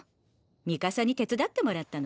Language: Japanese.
ミカサに手伝ってもらったのね。